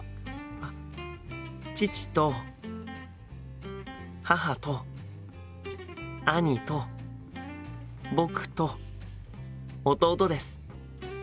父と母と兄と僕と弟です。